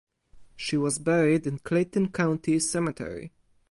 She was buried in Clayton County Cemetery.